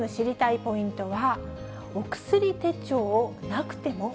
ポイントは、お薬手帳なくても？